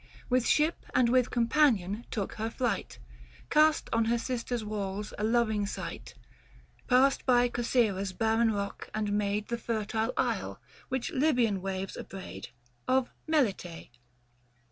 610 With ship and with companion took her flight, Cast on her sister's walls a loving sight, Passed by Cosyra's barren rock and made The fertile isle, which Libyan waves abrade, Of Melite.